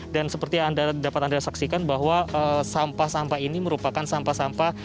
dan seperti yang dapat anda saksikan bahwa sampah sampah ini merupakan sampah sampah